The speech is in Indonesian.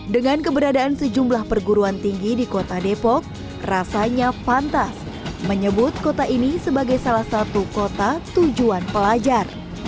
dengan keberadaan sejumlah perguruan tinggi di kota depok rasanya pantas menyebut kota ini sebagai salah satu kota tujuan pelajar